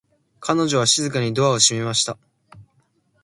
彼女は静かにドアを閉めました。